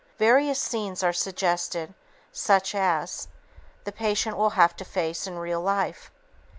Various scenes are suggested such as ... the patient will have to face in real life.